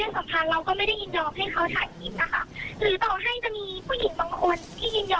สองหมื่นสามหมื่น